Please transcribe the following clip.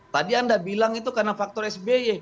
tadi anda bilang itu karena faktor sby